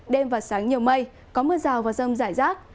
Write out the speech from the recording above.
đêm và sáng nhiều mây có mưa rào và rông rải rác